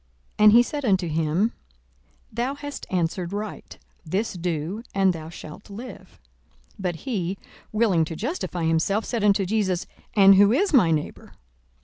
42:010:028 And he said unto him, Thou hast answered right: this do, and thou shalt live. 42:010:029 But he, willing to justify himself, said unto Jesus, And who is my neighbour?